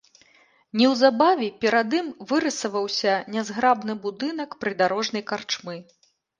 Неўзабаве перад ім вырысаваўся нязграбны будынак прыдарожнай карчмы.